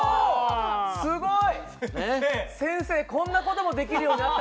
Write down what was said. すごい！